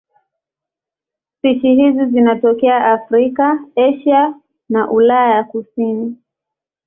Spishi hizi zinatokea Afrika, Asia na Ulaya ya kusini.